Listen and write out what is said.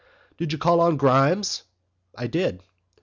"Did you call on Grimes?" "I did."